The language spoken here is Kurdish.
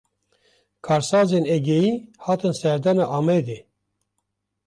Karsazên Egeyî, hatin serdana Amedê